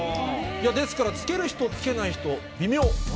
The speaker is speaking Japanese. ですから、つける人、つけない人、微妙。